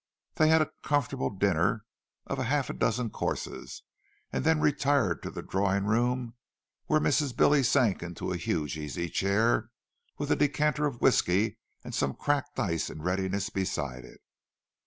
They had a comfortable dinner of half a dozen courses, and then retired to the drawing room, where Mrs. Billy sank into a huge easy chair, with a decanter of whisky and some cracked ice in readiness beside it.